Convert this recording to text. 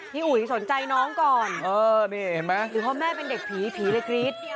พี่อุ๋ยสนใจน้องก่อนหรือเพราะแม่เป็นเด็กผีผีเลยกรี๊ด